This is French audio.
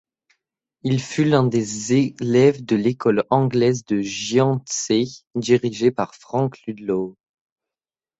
Il fut l'un des élèves de l'école anglaise de Gyantsé dirigée par Frank Ludlow.